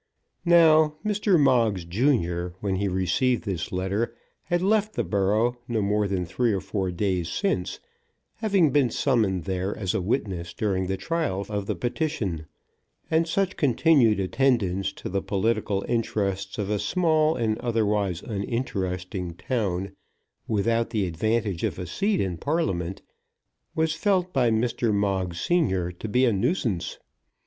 Now Mr. Moggs junior, when he received this letter, had left the borough no more than three or four days since, having been summoned there as a witness during the trial of the petition; and such continued attendance to the political interests of a small and otherwise uninteresting town, without the advantage of a seat in Parliament, was felt by Mr. Moggs senior to be a nuisance.